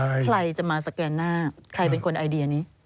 กับคนไอเดียนี้